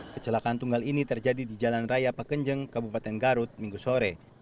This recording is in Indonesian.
kecelakaan tunggal ini terjadi di jalan raya pak kenjeng kabupaten garut minggu sore